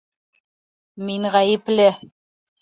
Мин ғәйепле.